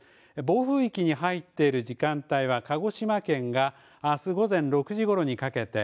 暴風域に入っている時間帯は鹿児島県があす午前６時頃にかけて。